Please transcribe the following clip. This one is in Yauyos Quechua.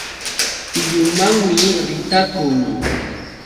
Tiyunmanmi ritakun.